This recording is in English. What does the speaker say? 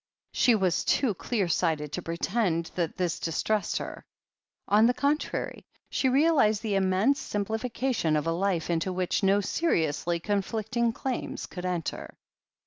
She was too clear sighted to pretend that this distressed her. On the con trary, she realized the immense simplification of a life into which no seriously conflicting claims could enter.